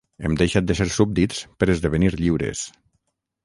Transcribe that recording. Hem deixat de ser súbdits per esdevenir lliures.